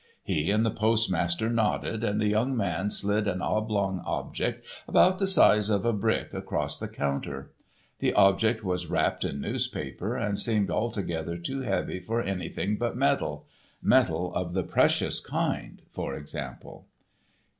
He and the postmaster nodded, and the young man slid an oblong object about the size of a brick across the counter. The object was wrapped in newspaper and seemed altogether too heavy for anything but metal—metal of the precious kind, for example.